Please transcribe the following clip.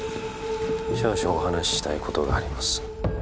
少々お話ししたいことがあります